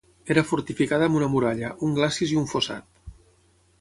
Era fortificada amb una muralla, un glacis i un fossat.